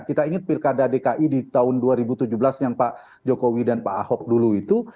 kita ingat pilkada dki di tahun dua ribu tujuh belas yang pak jokowi dan pak ahok dulu itu